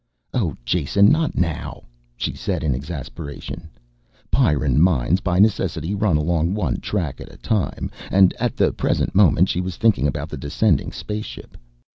"Oh, Jason ... not now," she said in exasperation. Pyrran minds, by necessity, run along one track at a time, and at the present moment she was thinking about the descending spaceship.